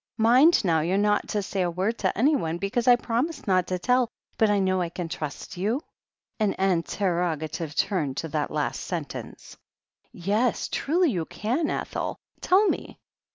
Mind, now, you're not to say a word to anyone, because I promised not to tell ... but I know I can trust you ?" An interrogative turn to that last sentence. "Yes, truly you can, Ethel. Tell me."